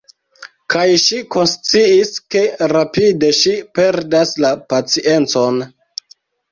Kaj ŝi konsciis ke rapide ŝi perdas la paciencon.